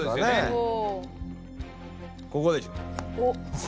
ここでしょう。